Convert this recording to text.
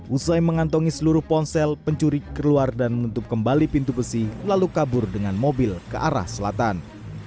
usai mengantongi seluruh ponsel pencuri keluar dan menutup kembali pintu besi lalu kabur dengan mobil ke arah selatan